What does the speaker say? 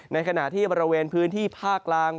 ในขณะที่บริเวณพื้นที่ภาคกลาง